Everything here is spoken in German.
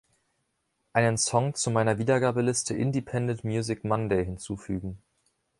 Einen Song zu meiner Wiedergabeliste Independent Music Monday hinzufügen.